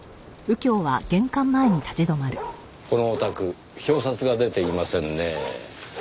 このお宅表札が出ていませんねぇ。